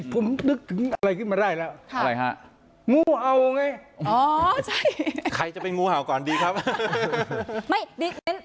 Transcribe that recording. ผมนึกถึงอะไรขึ้นมาได้แล้วอะไรฮะงูเห่าไงใครจะเป็นงูเห่าก่อนดีครับ